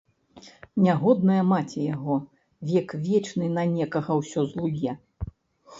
Нягодная маці яго, век вечны на некага ўсё злуе.